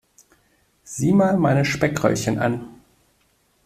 Sieh mal meine Speckröllchen an.